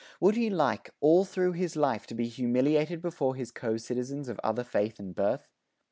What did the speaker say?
Would he like, all through his life to be humiliated before his co citizens of other faith and birth?